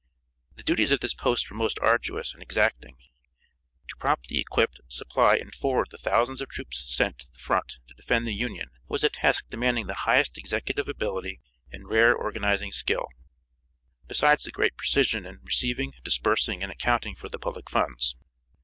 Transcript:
The duties of this post were most arduous and exacting. To promptly equip, supply and forward the thousands of troops sent to the front to defend the Union was a task demanding the highest executive ability and rare organizing skill, besides the greatest precision in receiving, disbursing and accounting for the public funds.